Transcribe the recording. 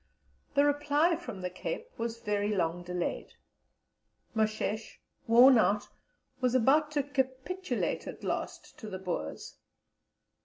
The reply from the Cape was very long delayed. Moshesh, worn out, was about to capitulate at last to the Boers.